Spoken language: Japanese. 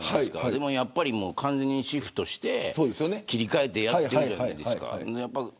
でも、やっぱり完全にシフトしてやってるじゃないですか。